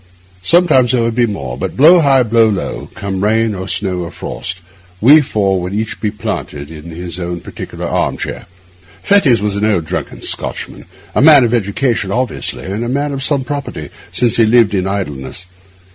Sometimes there would be more; but blow high, blow low, come rain or snow or frost, we four would be each planted in his own particular arm chair. Fettes was an old drunken Scotchman, a man of education obviously, and a man of some property, since he lived in idleness.